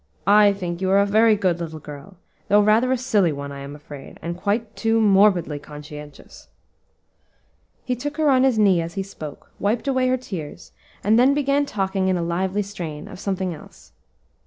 I think you are a very good little girl, though rather a silly one, I am afraid, and quite too morbidly conscientious." He took her on his knee as he spoke, wiped away her tears, and then began talking in a lively strain of something else.